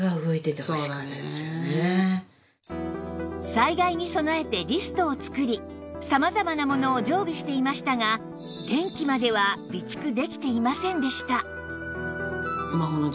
災害に備えてリストを作り様々なものを常備していましたが電気までは備蓄できていませんでした